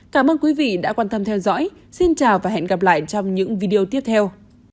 các bạn đã quan tâm theo dõi xin chào và hẹn gặp lại trong những video tiếp theo